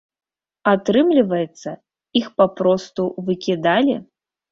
Атрымліваецца, іх папросту выкідалі?